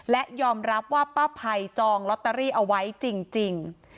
และยอมรับว่าป้าภัยจองลอตเตอรี่เอาไว้จริง